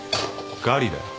ガリだよ。